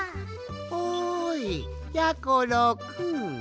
おいやころくん。